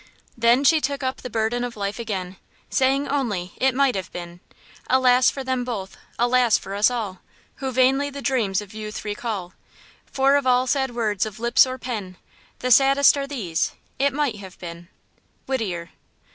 Then she took up the burden of life again, Saying only, "It might have been." Alas for them both, alas for us all, Who vainly the dreams of youth recall; For of all sad words of lips, or pen, The saddest are these–"It might have been." –WHITTIER.